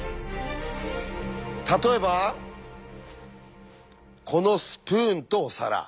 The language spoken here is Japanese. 例えばこのスプーンとお皿。